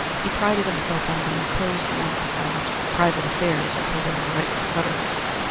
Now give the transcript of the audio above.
He prided himself on being close mouthed about his private affairs until they were ripe for utterance.